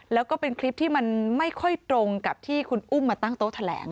แล้วก็เป็นคลิปที่มันไม่ค่อยตรงกับที่คุณอุ้มมาตั้งโต๊ะแถลง